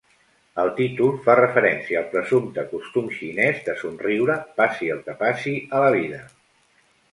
El títol fa referència al presumpte costum xinès de somriure, passi el que passi a la vida.